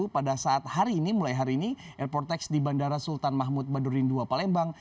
pada saat hari ini mulai hari ini airport tax di bandara sultan mahmud badurin dua palembang